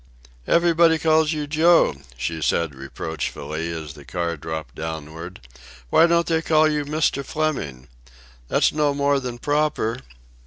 "Everybody calls you 'Joe'," she said reproachfully, as the car dropped downward. "Why don't they call you 'Mr. Fleming'? That's no more than proper."